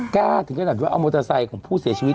ถึงขนาดว่าเอามอเตอร์ไซค์ของผู้เสียชีวิต